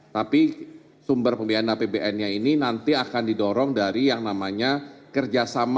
tapi sumber pembiayaan apbn nya ini nanti akan didorong dari yang namanya kerjasama